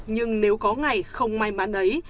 nhưng nếu có ngày không may mắn ấy